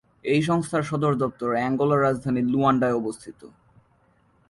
এই সংস্থার সদর দপ্তর অ্যাঙ্গোলার রাজধানী লুয়ান্ডায় অবস্থিত।